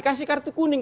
kasih kartu kuning